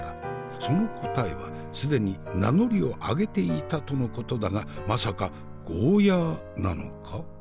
その答えは既に名乗りを上げていたとのことだがまさかゴーヤーなのか？